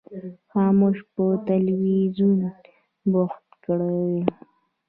خاموش په تلویزیون بوخت کړی و.